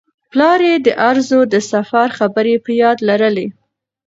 پلار یې د ارزو د سفر خبرې په یاد لرلې.